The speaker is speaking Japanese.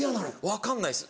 分かんないです